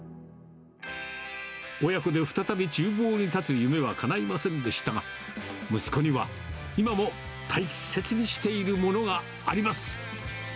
親子で再びちゅう房に立つ夢はかないませんでしたが、息子には、今も大切にしているものがあります。